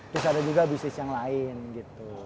terus ada juga bisnis yang lain gitu